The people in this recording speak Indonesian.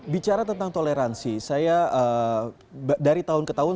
bicara tentang toleransi saya dari tahun ke tahun